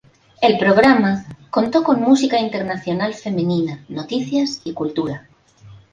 El programa contó con música internacional femenina, noticias y cultura.